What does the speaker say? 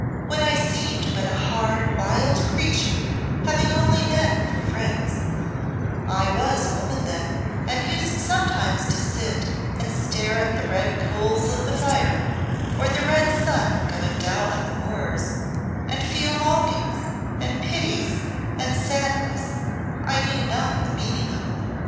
When I seemed but a hard, wild creature, having only men for friends I was a woman then, and used sometimes to sit and stare at the red coals of the fire, or the red sun going down on the moors, and feel longings and pities and sadness I knew not the meaning of.